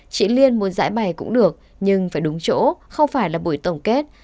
chị liên muốn giải bày cũng được nhưng phải đúng chỗ không phải là buổi tổng kết